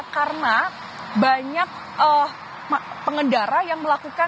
karena banyak pengendara yang melakukan